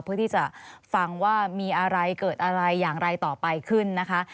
เพื่อที่จะฟังว่ามีอะไรเกิดอะไรอย่างไรต่อไปขึ้นนะคะ